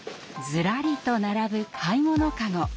ずらりと並ぶ買い物カゴ。